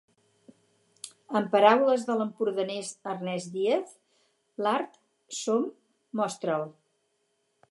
En paraules de l'empordanès Ernest Díaz, "l'art som: mostra'l".